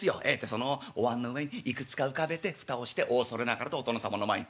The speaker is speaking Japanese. そのおわんの上にいくつか浮かべて蓋をしてお恐れながらとお殿様の前に。